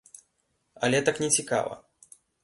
Але так не цікава.